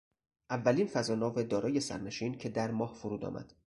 اولین فضاناو دارای سرنشین که در ماه فرود آمد